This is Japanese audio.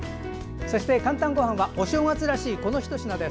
「かんたんごはん」はお正月らしいこの一品です。